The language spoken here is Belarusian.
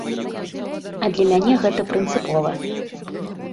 А для мяне гэта прынцыпова.